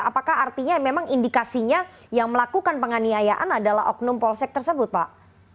apakah artinya memang indikasinya yang melakukan penganiayaan adalah oknum polsek tersebut pak